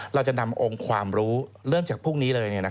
เราจะนำองค์ความรู้เริ่มจากพวกนี้เลย